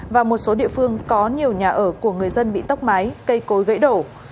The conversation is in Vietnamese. và một số địa phương có nhiều nhà ở của người dân bị tốc máy cây cối gãy đổ